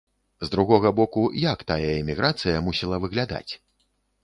З другога боку, як тая эміграцыя мусіла выглядаць?